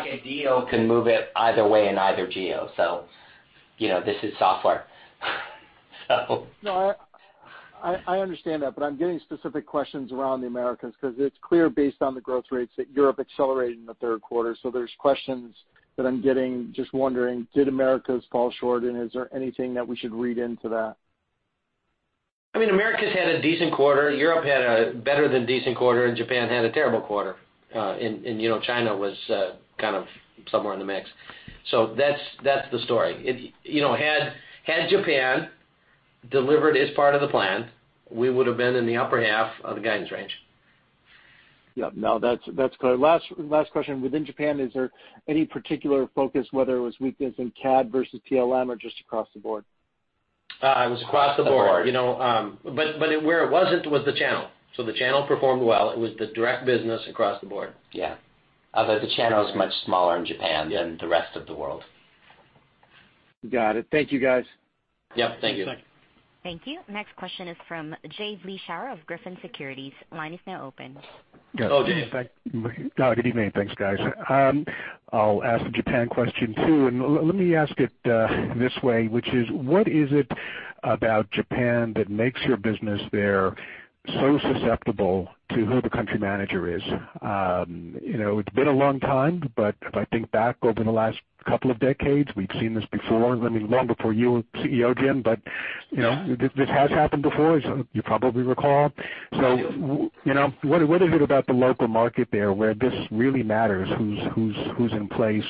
a deal can move it either way in either geo. This is software. I understand that. I'm getting specific questions around the Americas because it's clear based on the growth rates that Europe accelerated in the third quarter. There's questions that I'm getting just wondering, did Americas fall short, and is there anything that we should read into that? Americas had a decent quarter. Europe had a better than decent quarter. Japan had a terrible quarter. China was kind of somewhere in the mix. That's the story. Had Japan delivered its part of the plan, we would've been in the upper half of the guidance range. Yep. That's clear. Last question. Within Japan, is there any particular focus, whether it was weakness in CAD versus PLM or just across the board? It was across the board. Where it wasn't was the channel. The channel performed well. It was the direct business across the board. Yeah. The channel is much smaller in Japan than the rest of the world. Got it. Thank you, guys. Yep, thank you. Thanks. Thank you. Next question is from Jay Vleeschhouwer of Griffin Securities. Line is now open. Go, Jay. Good evening. Thanks, guys. I'll ask the Japan question, too, and let me ask it this way, which is, what is it about Japan that makes your business there so susceptible to who the country manager is? It's been a long time, but if I think back over the last couple of decades, we've seen this before, long before you were CEO, Jim. Yeah This has happened before, as you probably recall. What is it about the local market there where this really matters who's in place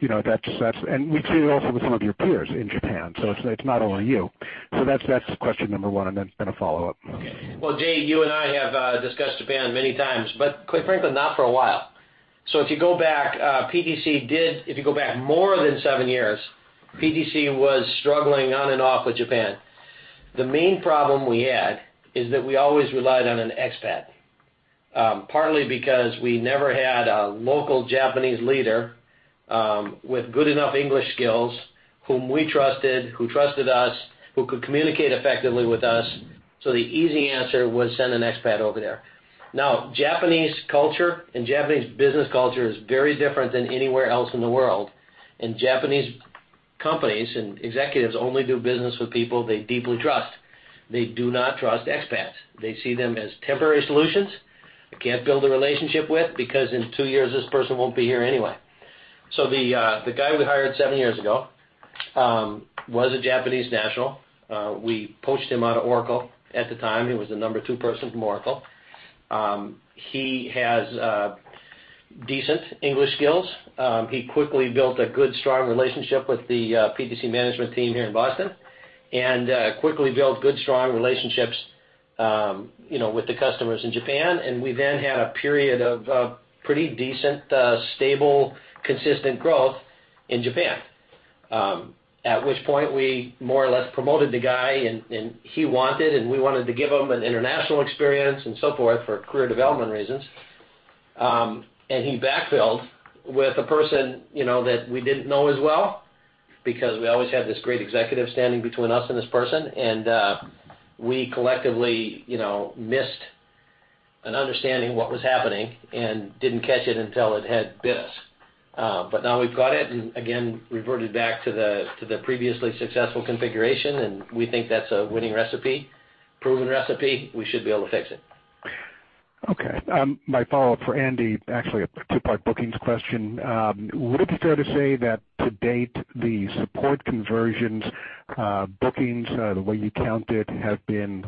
and we've seen it also with some of your peers in Japan, so it's not only you. That's question number one, and then a follow-up. Well, Jay, you and I have discussed Japan many times, but quite frankly, not for a while. If you go back more than seven years, PTC was struggling on and off with Japan. The main problem we had is that we always relied on an expat, partly because we never had a local Japanese leader with good enough English skills whom we trusted, who trusted us, who could communicate effectively with us. The easy answer was send an expat over there. Japanese culture and Japanese business culture is very different than anywhere else in the world, and Japanese companies and executives only do business with people they deeply trust. They do not trust expats. They see them as temporary solutions, they can't build a relationship with, because in two years, this person won't be here anyway. The guy we hired seven years ago was a Japanese national. We poached him out of Oracle. At the time, he was the number 2 person from Oracle. He has decent English skills. He quickly built a good, strong relationship with the PTC management team here in Boston and quickly built good, strong relationships with the customers in Japan. We then had a period of pretty decent, stable, consistent growth in Japan, at which point we more or less promoted the guy, and he wanted, and we wanted to give him an international experience and so forth for career development reasons. He backfilled with a person that we didn't know as well, because we always had this great executive standing between us and this person, and we collectively missed an understanding what was happening and didn't catch it until it had bit us. Now we've got it and, again, reverted back to the previously successful configuration, and we think that's a winning recipe, proven recipe. We should be able to fix it. Okay. My follow-up for Andrew, actually, a two-part bookings question. Would it be fair to say that to date, the support conversions bookings, the way you count it, have been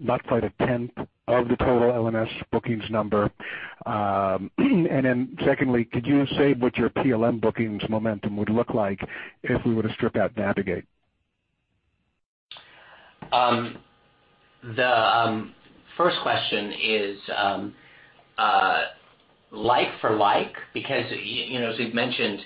not quite a tenth of the total L&S bookings number? Secondly, could you say what your PLM bookings momentum would look like if we were to strip out Navigate? The first question is like for like, as we've mentioned,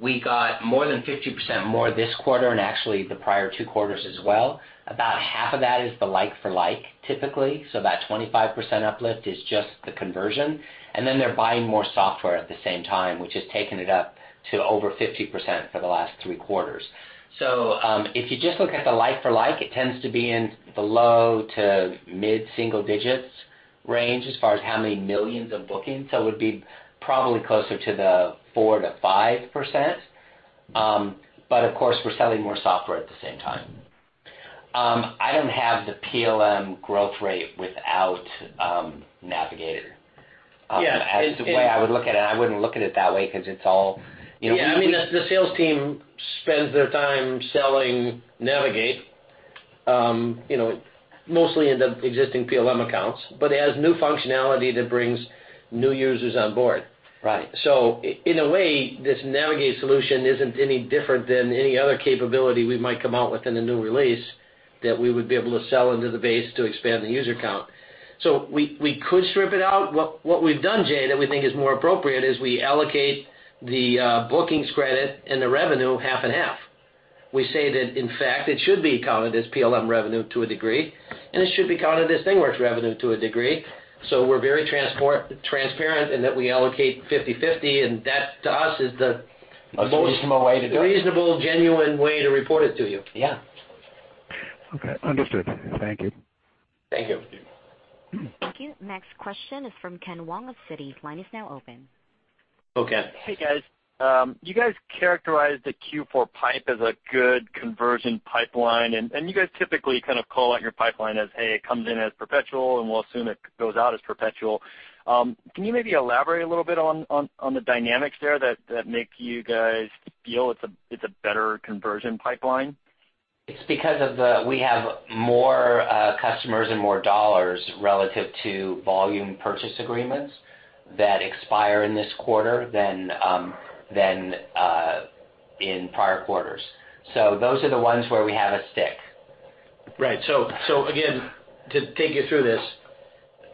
we got more than 50% more this quarter and actually the prior two quarters as well. About half of that is the like for like, typically. That 25% uplift is just the conversion. They're buying more software at the same time, which has taken it up to over 50% for the last three quarters. If you just look at the like for like, it tends to be in the low to mid-single digits range as far as how many millions of bookings. It would be probably closer to the 4%-5%. We're selling more software at the same time. I don't have the PLM growth rate without Navigate. Yeah. As to the way I would look at it, I wouldn't look at it that way because it's all- Yeah, the sales team spends their time selling Navigate, mostly in the existing PLM accounts, it has new functionality that brings new users on board. Right. In a way, this Navigate solution isn't any different than any other capability we might come out with in a new release that we would be able to sell into the base to expand the user count. We could strip it out. What we've done, Jay, that we think is more appropriate is we allocate the bookings credit and the revenue half and half. We say that, in fact, it should be counted as PLM revenue to a degree, and it should be counted as ThingWorx revenue to a degree. We're very transparent in that we allocate 50/50, and that to us is the- A reasonable way to do it reasonable, genuine way to report it to you. Yeah. Okay. Understood. Thank you. Thank you. Thank you. Next question is from Ken Wong of Citi. Line is now open. Go, Ken. Hey, guys. You guys characterized the Q4 pipe as a good conversion pipeline, and you guys typically kind of call out your pipeline as, hey, it comes in as perpetual, and we'll assume it goes out as perpetual. Can you maybe elaborate a little bit on the dynamics there that make you guys feel it's a better conversion pipeline? It's because we have more customers and more dollars relative to volume purchase agreements that expire in this quarter than in prior quarters. Those are the ones where we have a stick. Right. Again, to take you through this,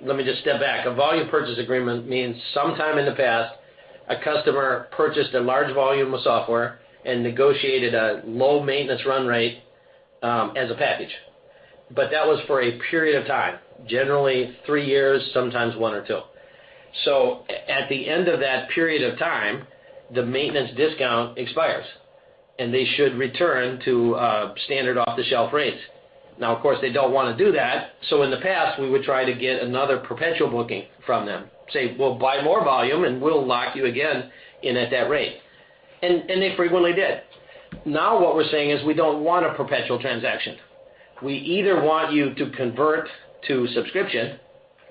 let me just step back. A volume purchase agreement means sometime in the past, a customer purchased a large volume of software and negotiated a low maintenance run rate as a package. That was for a period of time, generally three years, sometimes one or two. At the end of that period of time, the maintenance discount expires, and they should return to standard off-the-shelf rates. Of course, they don't want to do that, in the past, we would try to get another perpetual booking from them, say, "Well, buy more volume, and we'll lock you again in at that rate." They frequently did. What we're saying is we don't want a perpetual transaction. We either want you to convert to subscription,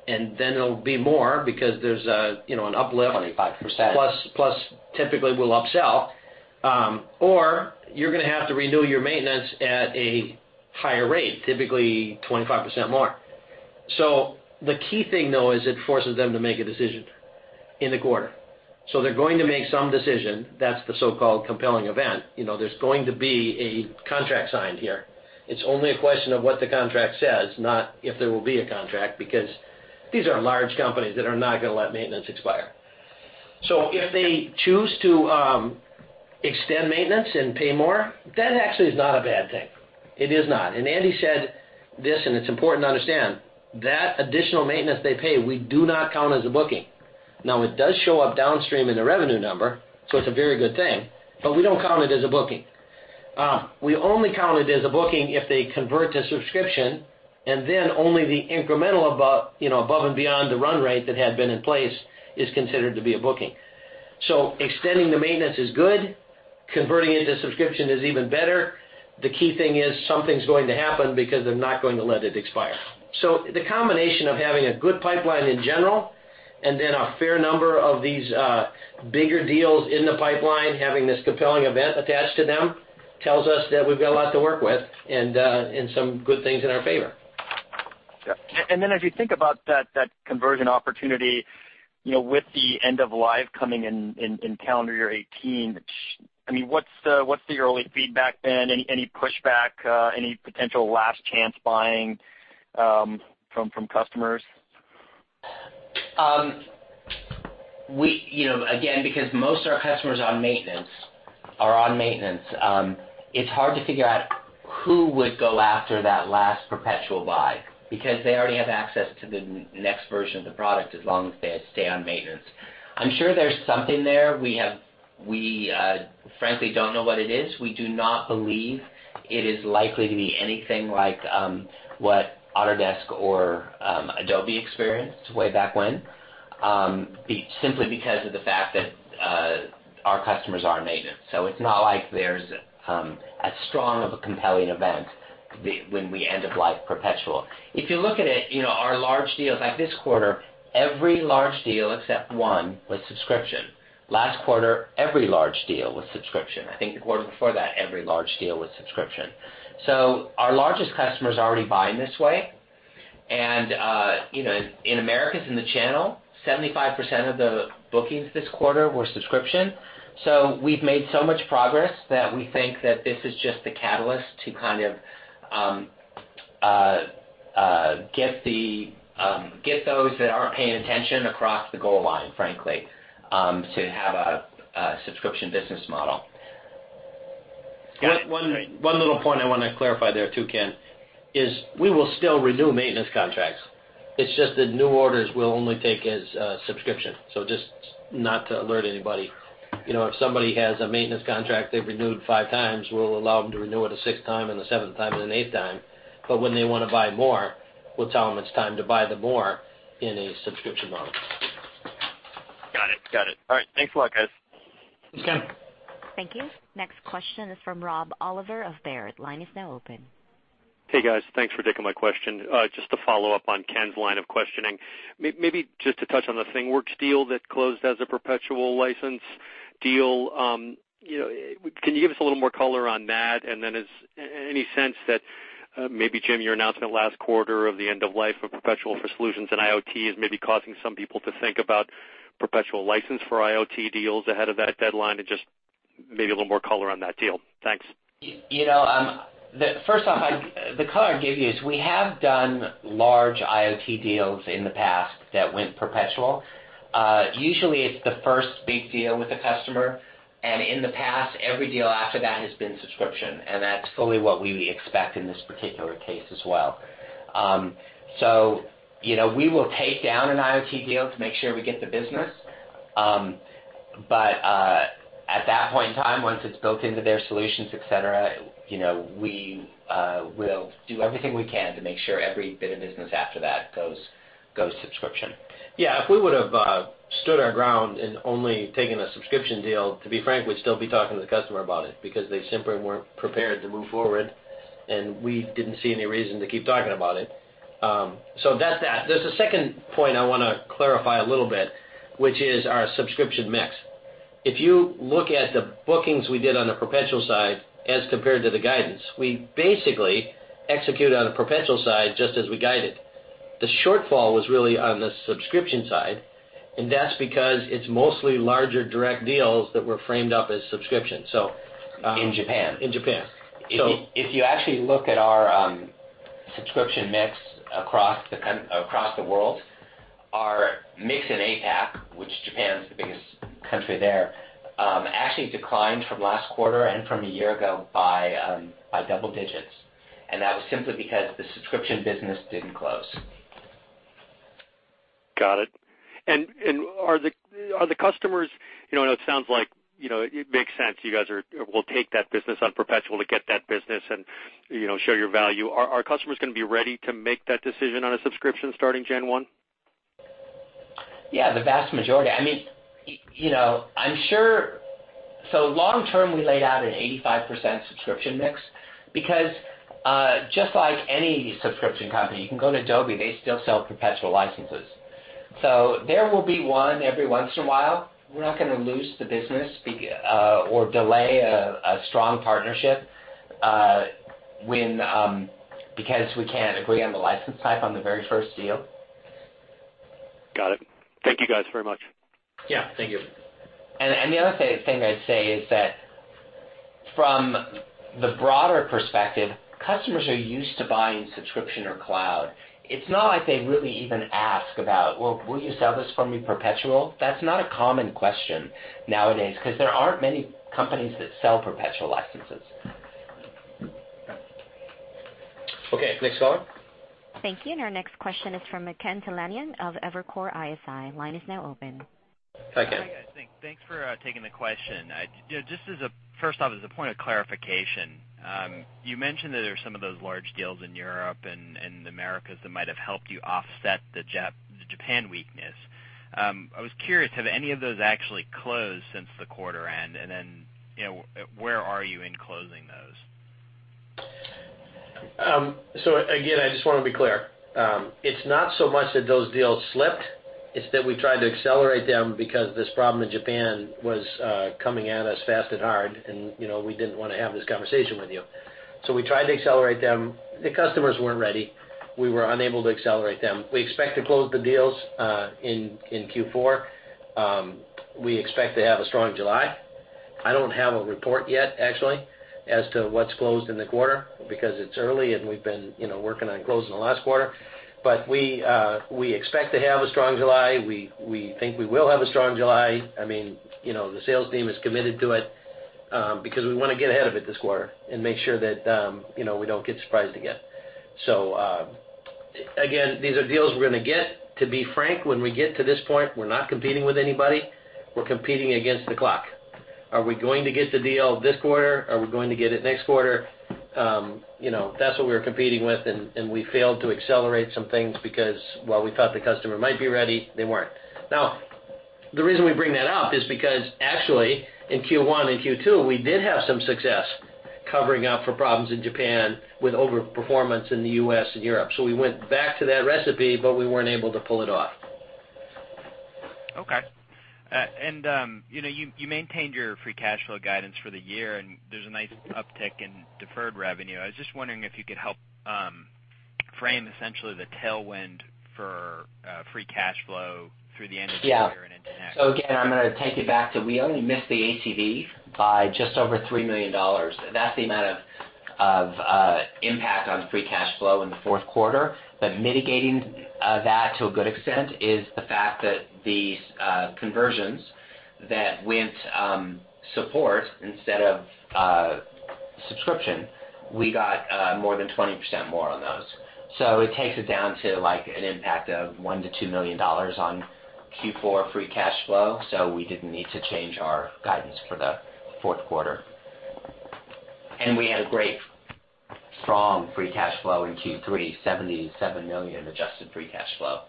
and then it'll be more because there's an uplift- 25% plus, typically, we'll upsell, or you're going to have to renew your maintenance at a higher rate, typically 25% more. The key thing, though, is it forces them to make a decision in the quarter. They're going to make some decision. That's the so-called compelling event. There's going to be a contract signed here. It's only a question of what the contract says, not if there will be a contract, because these are large companies that are not going to let maintenance expire. If they choose to extend maintenance and pay more, that actually is not a bad thing. It is not. Andy said this, and it's important to understand, that additional maintenance they pay, we do not count as a booking. It does show up downstream in the revenue number, it's a very good thing, but we don't count it as a booking. We only count it as a booking if they convert to subscription, and then only the incremental above and beyond the run rate that had been in place is considered to be a booking. Extending the maintenance is good. Converting into subscription is even better. The key thing is something's going to happen because they're not going to let it expire. The combination of having a good pipeline in general and then a fair number of these bigger deals in the pipeline, having this compelling event attached to them, tells us that we've got a lot to work with and some good things in our favor. Yeah. Then as you think about that conversion opportunity with the end of life coming in calendar year 2018, what's the early feedback been? Any pushback? Any potential last chance buying from customers? Again, because most of our customers are on maintenance, it's hard to figure out who would go after that last perpetual buy, because they already have access to the next version of the product as long as they stay on maintenance. I'm sure there's something there. We frankly don't know what it is. We do not believe it is likely to be anything like what Autodesk or Adobe experienced way back when, simply because of the fact that our customers are on maintenance. It's not like there's as strong of a compelling event when we end-of-life perpetual. If you look at it, our large deals, like this quarter, every large deal except one was subscription. Last quarter, every large deal was subscription. I think the quarter before that, every large deal was subscription. Our largest customers are already buying this way, and in Americas, in the channel, 75% of the bookings this quarter were subscription. We've made so much progress that we think that this is just the catalyst to kind of get those that aren't paying attention across the goal line, frankly, to have a subscription business model. Yeah. One little point I want to clarify there too, Ken, is we will still renew maintenance contracts. It's just that new orders we'll only take as a subscription. Just not to alert anybody. If somebody has a maintenance contract they've renewed five times, we'll allow them to renew it a sixth time and a seventh time and an eighth time. When they want to buy more, we'll tell them it's time to buy the more in a subscription model. Got it. All right. Thanks a lot, guys. Thanks, Ken. Thank you. Next question is from Rob Oliver of Baird. Line is now open. Hey, guys. Thanks for taking my question. Just to follow up on Ken's line of questioning, maybe just to touch on the ThingWorx deal that closed as a perpetual license deal. Can you give us a little more color on that? Then is any sense that maybe, Jim, your announcement last quarter of the end of life of perpetual for solutions and IoT is maybe causing some people to think about perpetual license for IoT deals ahead of that deadline, just maybe a little more color on that deal. Thanks. First off, the color I'd give you is we have done large IoT deals in the past that went perpetual. Usually, it's the first big deal with a customer, in the past, every deal after that has been subscription, and that's fully what we expect in this particular case as well. We will take down an IoT deal to make sure we get the business. At that point in time, once it's built into their solutions, et cetera, we will do everything we can to make sure every bit of business after that goes subscription. If we would've stood our ground and only taken a subscription deal, to be frank, we'd still be talking to the customer about it because they simply weren't prepared to move forward, and we didn't see any reason to keep talking about it. That's that. There's a second point I want to clarify a little bit, which is our subscription mix. If you look at the bookings we did on the perpetual side as compared to the guidance, we basically executed on the perpetual side just as we guided. The shortfall was really on the subscription side, and that's because it's mostly larger direct deals that were framed up as subscriptions. In Japan. In Japan. If you actually look at our subscription mix across the world, our mix in APAC, which Japan's the biggest country there, actually declined from last quarter and from a year ago by double digits. That was simply because the subscription business didn't close. Got it. Are the customers, I know it sounds like it makes sense, you guys will take that business on perpetual to get that business and show your value. Are customers going to be ready to make that decision on a subscription starting January 1? Yeah, the vast majority. Long term, we laid out an 85% subscription mix because just like any subscription company, you can go to Adobe, they still sell perpetual licenses. There will be one every once in a while. We're not going to lose the business or delay a strong partnership because we can't agree on the license type on the very first deal. Got it. Thank you guys very much. Yeah. Thank you. The other thing I'd say is that from the broader perspective, customers are used to buying subscription or cloud. It's not like they really even ask about, "Well, will you sell this for me perpetual?" That's not a common question nowadays, because there aren't many companies that sell perpetual licenses. Okay, next caller. Thank you. Our next question is from Kirk Materne of Evercore ISI. Line is now open. Hi, Kirk. Hi, guys. Thanks for taking the question. First off, as a point of clarification, you mentioned that there's some of those large deals in Europe and the Americas that might have helped you offset the Japan weakness. I was curious, have any of those actually closed since the quarter end? Where are you in closing those? Again, I just want to be clear. It's not so much that those deals slipped. It's that we tried to accelerate them because this problem in Japan was coming at us fast and hard, and we didn't want to have this conversation with you. We tried to accelerate them. The customers weren't ready. We were unable to accelerate them. We expect to close the deals in Q4. We expect to have a strong July. I don't have a report yet, actually, as to what's closed in the quarter, because it's early and we've been working on closing the last quarter. We expect to have a strong July. We think we will have a strong July. The sales team is committed to it, because we want to get ahead of it this quarter and make sure that we don't get surprised again. Again, these are deals we're going to get. To be frank, when we get to this point, we're not competing with anybody. We're competing against the clock. Are we going to get the deal this quarter? Are we going to get it next quarter? That's what we're competing with, and we failed to accelerate some things because while we thought the customer might be ready, they weren't. Now, the reason we bring that up is because actually, in Q1 and Q2, we did have some success covering up for problems in Japan with over-performance in the U.S. and Europe. We went back to that recipe, but we weren't able to pull it off. Okay. You maintained your free cash flow guidance for the year, and there's a nice uptick in deferred revenue. I was just wondering if you could help frame essentially the tailwind for free cash flow through the end of the year- Yeah into next. Again, I'm going to take it back to, we only missed the ACV by just over $3 million. That's the amount of impact on free cash flow in the fourth quarter. Mitigating that to a good extent is the fact that these conversions that went support instead of subscription, we got more than 20% more on those. It takes it down to an impact of $1 million-$2 million on Q4 free cash flow. We didn't need to change our guidance for the fourth quarter. We had a great strong free cash flow in Q3, $77 million adjusted free cash flow.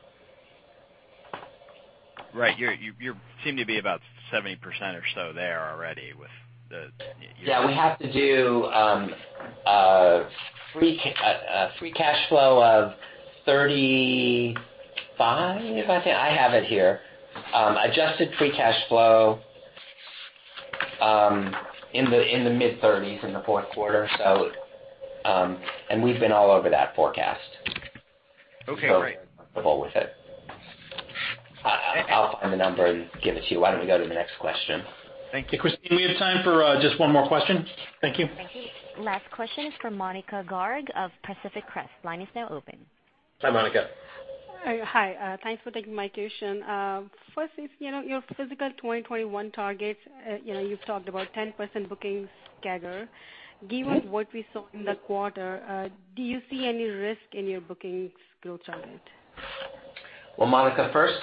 Right. You seem to be about 70% or so there already. Yeah, we have to do a free cash flow of $35, if I have it here. Adjusted free cash flow in the mid-30s in the fourth quarter. We've been all over that forecast. Okay, great. Comfortable with it. I'll find the number and give it to you. Why don't we go to the next question? Thank you. Christine, we have time for just one more question. Thank you. Thank you. Last question is from Monika Garg of Pacific Crest. Line is now open. Hi, Monika. Hi. Thanks for taking my question. First is, your fiscal 2021 targets, you've talked about 10% bookings CAGR. Given what we saw in the quarter, do you see any risk in your bookings growth on it? Well, Monika, first,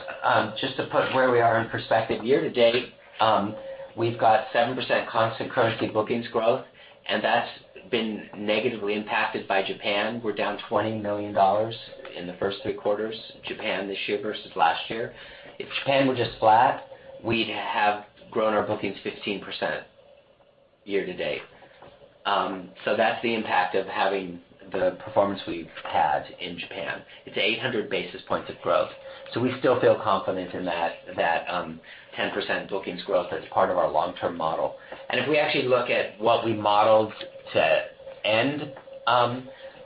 just to put where we are in perspective. Year-to-date, we've got 7% constant currency bookings growth, that's been negatively impacted by Japan. We're down $20 million in the first three quarters, Japan this year versus last year. If Japan were just flat, we'd have grown our bookings 15% year-to-date. That's the impact of having the performance we've had in Japan. It's 800 basis points of growth. We still feel confident in that 10% bookings growth as part of our long-term model. If we actually look at what we modeled to end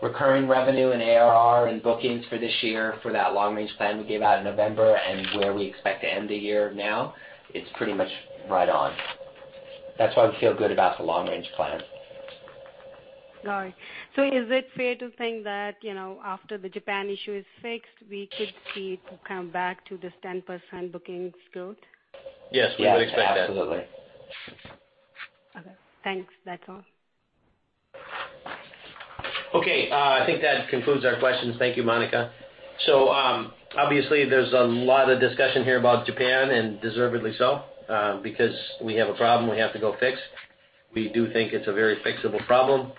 recurring revenue and ARR and bookings for this year for that long-range plan we gave out in November and where we expect to end the year now, it's pretty much right on. That's why we feel good about the long-range plan. Got it. Is it fair to think that after the Japan issue is fixed, we could see it come back to this 10% bookings growth? Yes, we would expect that. Yes, absolutely. Okay, thanks. That's all. Okay. I think that concludes our questions. Thank you, Monika. Obviously, there's a lot of discussion here about Japan, and deservedly so, because we have a problem we have to go fix. We do think it's a very fixable problem.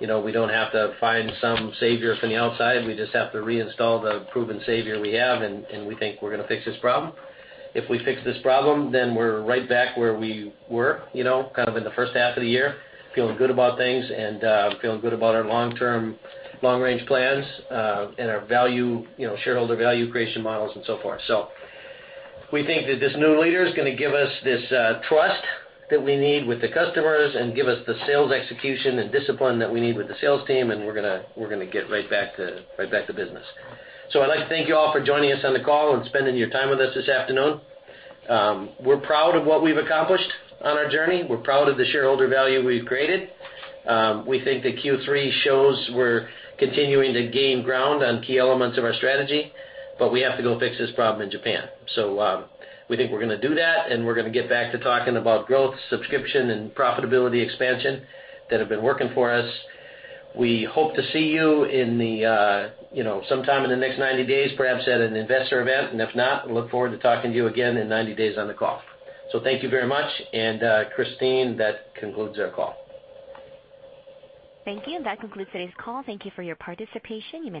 We don't have to find some savior from the outside. We just have to reinstall the proven savior we have, and we think we're going to fix this problem. If we fix this problem, we're right back where we were, kind of in the first half of the year, feeling good about things and feeling good about our long-term, long-range plans, and our shareholder value creation models and so forth. We think that this new leader is going to give us this trust that we need with the customers and give us the sales execution and discipline that we need with the sales team, and we're going to get right back to business. I'd like to thank you all for joining us on the call and spending your time with us this afternoon. We're proud of what we've accomplished on our journey. We're proud of the shareholder value we've created. We think that Q3 shows we're continuing to gain ground on key elements of our strategy, we have to go fix this problem in Japan. We think we're going to do that, and we're going to get back to talking about growth, subscription, and profitability expansion that have been working for us. We hope to see you sometime in the next 90 days, perhaps at an investor event. If not, look forward to talking to you again in 90 days on the call. Thank you very much. Christine, that concludes our call. Thank you. That concludes today's call. Thank you for your participation. You may disconnect.